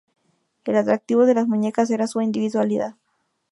El atractivo de las muñecas era su individualidad.